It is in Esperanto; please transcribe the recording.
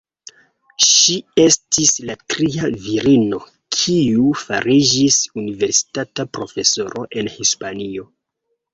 Ŝi estis la tria virino kiu fariĝis universitata profesoro en Hispanio.